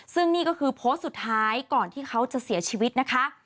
ซึ่งนี่ก็คือโพสต์สุดท้ายก่อนที่เขาจะเสียชีวิตนะคะ